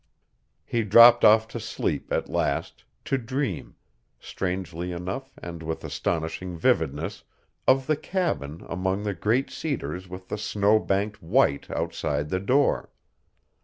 He dropped off to sleep at last, to dream, strangely enough and with astonishing vividness, of the cabin among the great cedars with the snow banked white outside the door.